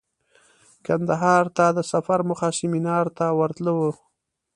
کندهار ته د سفر موخه سمینار ته ورتلو وه.